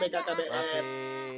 terima kasih bkkbn